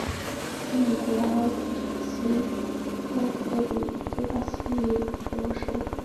圣尼古拉奥斯是希腊克里特大区拉西锡州首府。